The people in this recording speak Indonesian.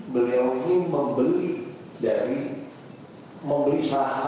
beliau ini membeli dari